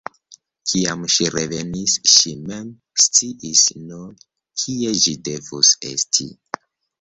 Kiam ŝi revenis, ŝi mem sciis nur, kie ĝi devus esti.